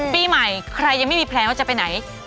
ปีใหม่ใครยังไม่มีแพลนว่าจะไปไหน